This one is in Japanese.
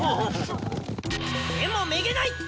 でもめげない！